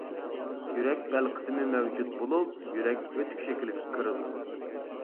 يۈرەك بەل قىسمى مەۋجۇت بولۇپ، يۈرەك ئۆتۈك شەكىلگە كىرىدۇ.